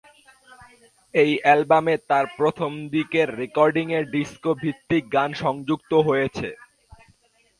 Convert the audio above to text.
এই অ্যালবামে তার প্রথম দিকের রেকর্ডিংয়ের ডিস্কো ভিত্তিক গান সংযুক্ত হয়েছে।